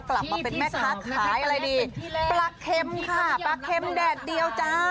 กลับมาเป็นแม่ค้าขายอะไรดีปลาเค็มค่ะปลาเค็มแดดเดียวจ้า